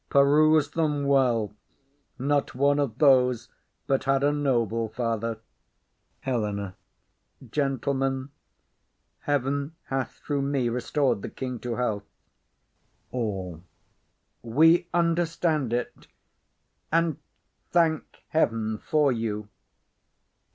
Peruse them well. Not one of those but had a noble father. She addresses her to a Lord. HELENA. Gentlemen, Heaven hath through me restor'd the king to health. ALL. We understand it, and thank heaven for you.